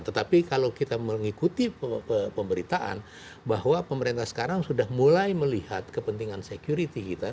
tetapi kalau kita mengikuti pemberitaan bahwa pemerintah sekarang sudah mulai melihat kepentingan security kita